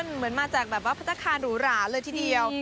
เหมือนมาจากแบบว่าพัฒนาคารหรูหราเลยทีเดียว